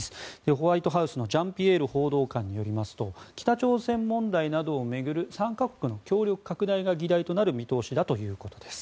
ホワイトハウスのジャンピエール報道官によりますと北朝鮮問題などを巡る３か国の協力拡大が議題となる見通しだということです。